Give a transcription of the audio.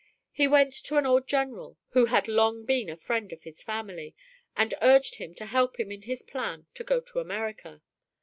He went to an old general who had long been a friend of his family, and urged him to help him in his plan to go to America.